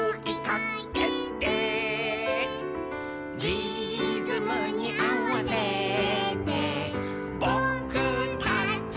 「リズムにあわせてぼくたちも」